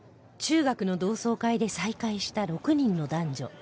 中学の同窓会で再会した６人の男女